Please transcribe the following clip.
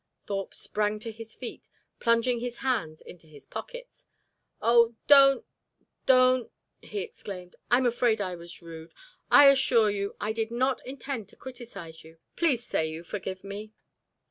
Thorpe sprang to his feet, plunging his hands into his pockets. "Oh don't don't " he exclaimed. "I'm afraid I was rude. I assure you, I did not intend to criticise you. Please say you forgive me."